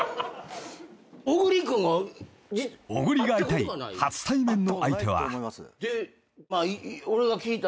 ［小栗が会いたい初対面の相手は］